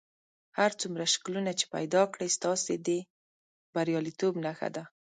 هر څومره شکلونه چې پیدا کړئ ستاسې د بریالیتوب نښه ده.